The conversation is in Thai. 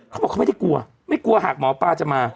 เขาบอกเขาไม่ได้กลัวไม่กลัวหากหมอปลาจะมา